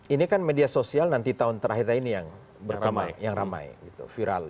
ini kan media sosial nanti tahun terakhir ini yang ramai viral